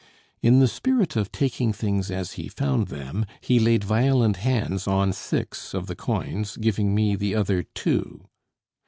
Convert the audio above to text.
In the spirit of taking things as he found them, he laid violent hands on six of the coins, giving me the other two.